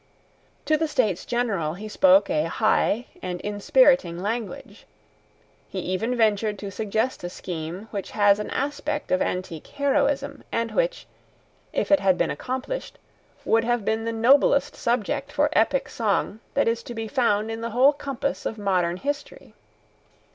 To the States General he spoke a high and inspiriting language. He even ventured to suggest a scheme which has an aspect of antique heroism, and which, if it had been accomplished, would have been the noblest subject for epic song that is to be found in the whole compass of modern history.